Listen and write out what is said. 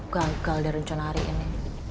gagal di rencana hari ini